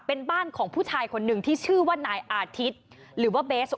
เป็นบ้านของผู้ชายคนหนึ่งที่ชื่อว่านายอาทิตย์หรือว่าเบส